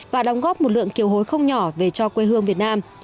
và đóng góp một lượng kiều hối không nhỏ về cho quê hương việt nam